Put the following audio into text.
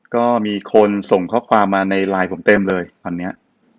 ก็มีคนส่งข้อความมาในไลน์ผมเต็มเลยอันนี้